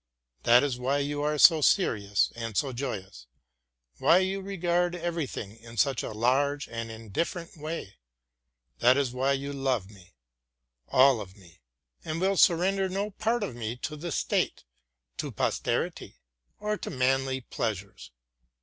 That is why you are so serious and so joyous, why you regard everything in such a large and indifferent way; that is why you love me, all of me, and will surrender no part of me to the state, to posterity, or to manly pleasures.